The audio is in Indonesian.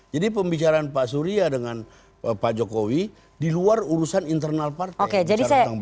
jadi pembicaraan pak surya dengan pak jokowi di luar urusan internal partai